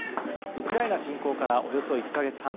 ウクライナ侵攻からおよそ１か月半。